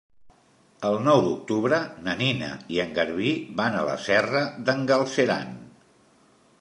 El nou d'octubre na Nina i en Garbí van a la Serra d'en Galceran.